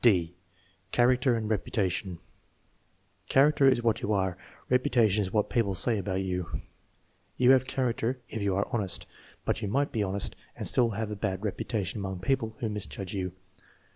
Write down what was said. (d) Character and reputation. *' Character is what you are; rep utation is what people say about you." "You have character if you are honest; but you might be honest and still have a bad rep utation among people who misjudge you."